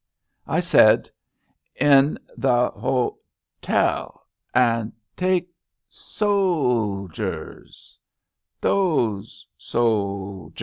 I said: *^ In the hotel, and take soldiers — ^those soldiers.